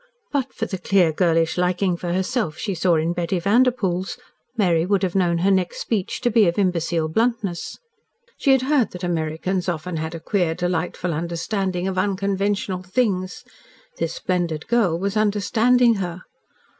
But for the clear girlish liking for herself she saw in Betty Vanderpoel's, Mary would have known her next speech to be of imbecile bluntness. She had heard that Americans often had a queer, delightful understanding of unconventional things. This splendid girl was understanding her.